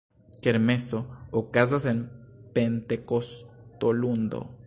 Kermeso okazas en Pentekostolundo.